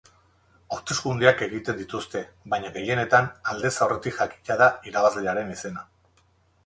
Hauteskundeak egiten dituzte, baina gehienetan aldez aurretik jakina da irabazlearen izena.